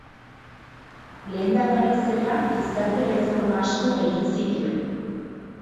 Lehendakari zela gizarte erreforma asko egin zituen.